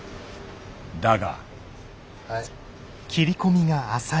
だが。